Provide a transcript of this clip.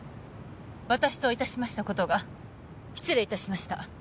私といたしましたことが失礼いたしました